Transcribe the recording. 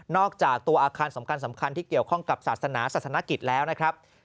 อกจากตัวอาคารสำคัญที่เกี่ยวข้องกับศาสนาศาสนกิจแล้วนะครับ